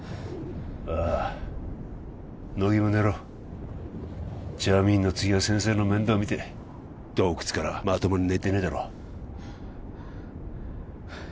ああ乃木も寝ろジャミーンの次は先生の面倒見て洞窟からまともに寝てねえだろ